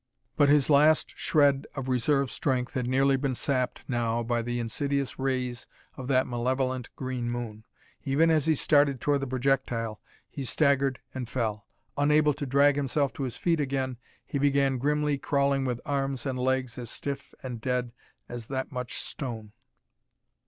But his last shred of reserve strength had nearly been sapped now by the insidious rays of that malevolent green moon. Even as he started toward the projectile, he staggered and fell. Unable to drag himself to his feet again, he began grimly crawling with arms and legs as stiff and dead as that much stone.